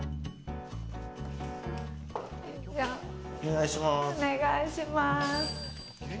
お願いします。